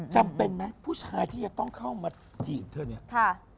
จำเป็นไหมผู้ชายที่จะต้องเข้ามาจีบเธอเนี่ย